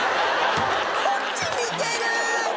こっち見てる！